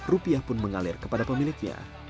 rupiah pun mengalir kepada pemiliknya